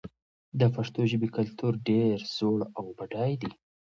د پښتو ژبې کلتور ډېر زوړ او بډای دی.